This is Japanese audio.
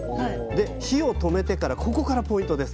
で火を止めてからここからポイントです。